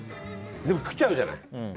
でも、来ちゃうじゃない。